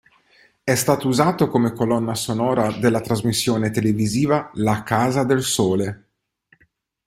È stato usato come colonna sonora della trasmissione televisiva La Casa del sole.